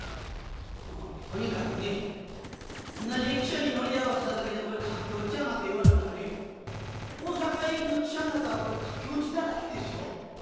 あのとにかくね同じ汽車に乗り合わしただけでこれ駆け落ちやなんて言われたらね大阪行きの汽車の中がこれ駆け落ちだらけですよ。